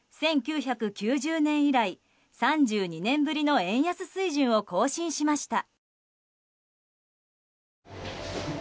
１９９０年以来、３２年ぶりの円安水準を更新しました。